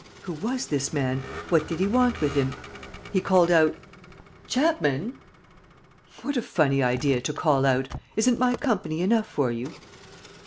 Who was this man? What did he want with him? He called out: "Chapman!" "What a funny idea, to call out! Isn't my company enough for you?"